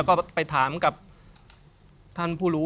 ก็ไปถามกับท่านผู้รู้